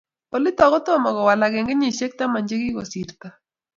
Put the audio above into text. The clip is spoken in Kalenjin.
olitok kotomo kowalak eng kenyishek taman che kikosirto